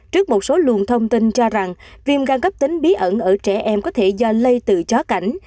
trước một số luồng thông tin cho rằng viêm gan cấp tính bí ẩn ở trẻ em có thể do lây từ chó cảnh